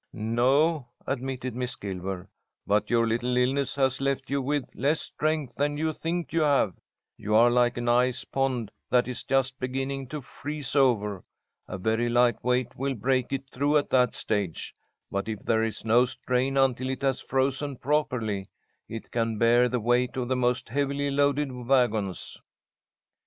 "No," admitted Miss Gilmer, "but your little illness has left you with less strength than you think you have. You are like an ice pond that is just beginning to freeze over. A very light weight will break it through at that stage, but if there is no strain until it has frozen properly, it can bear the weight of the most heavily loaded wagons."